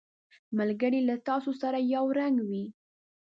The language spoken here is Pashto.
ملګری له تا سره یو رنګ وي